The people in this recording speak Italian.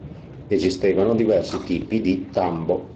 Esistevano diversi tipi di tambo.